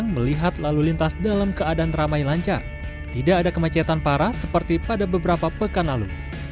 melihat lalu lintas dalam keadaan ramai lancar tidak ada kemacetan parah seperti pada beberapa pekan lalu